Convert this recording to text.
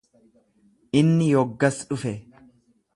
Inni yoggas dhufe.